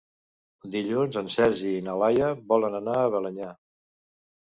Dilluns en Sergi i na Laia volen anar a Balenyà.